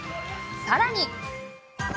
さらに。